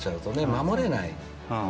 守れない。